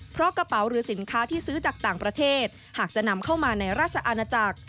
เพราะกระเป๋าหรือสินค้าที่ซื้อจากต่างประเทศหากจะนำเข้ามาในราชอาณาจักร